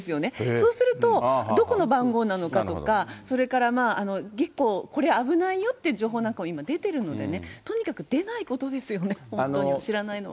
そうすると、どこの番号なのかとか、それから結構、これ、危ないよっていう情報なんかも今、出てるのでね、とにかく出ないことですよね、本当に、知らないのは。